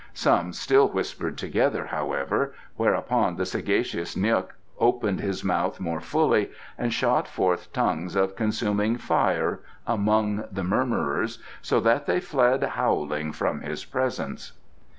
Some still whispered together, however, whereupon the sagacious N'guk opened his mouth more fully and shot forth tongues of consuming fire among the murmurers so that they fled howling from his presence.